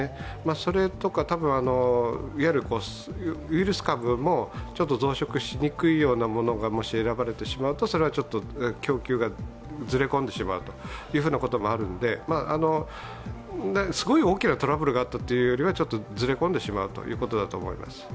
それとか、多分、いわゆるウイルス株もちょっと増殖しないようなものがもし選ばれてしまうと、供給がずれ込んでしまうということもあるのですごい大きなトラブルというよりは、ずれ込んでしまうということだと思います。